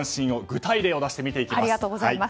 具体例を出して見ていきます。